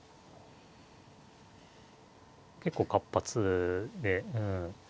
結構活発でうん。